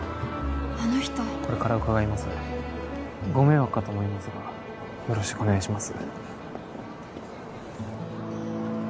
あの人これから伺いますご迷惑かと思いますがよろしくお願いします